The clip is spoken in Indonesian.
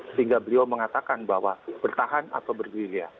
sehingga beliau mengatakan bahwa bertahan atau berdiri ya